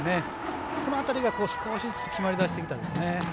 この辺りが、少しずつ決まりだしてきましたね。